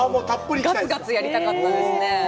がつがつやりたかったですね。